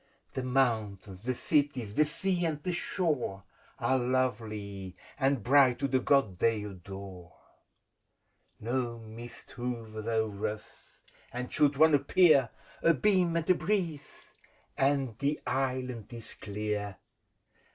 The mountains, the cities, the sea and the shore, Are lovely and bright to the God they adore : No mist hovers o'er us, and should one appear, A beam and a breeze, and the Island is clear!